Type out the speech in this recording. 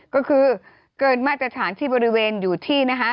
ก็คือเกินมาตรฐานที่บริเวณอยู่ที่นะคะ